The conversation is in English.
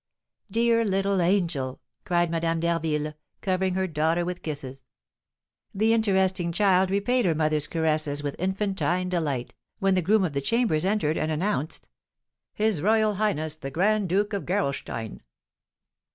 "Dear little angel!" cried Madame d'Harville, covering her daughter with kisses. The interesting child repaid her mother's caresses with infantine delight, when the groom of the chambers entered and announced: "His royal highness the Grand Duke of Gerolstein."